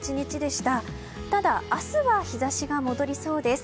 ただ、明日は日差しが戻りそうです。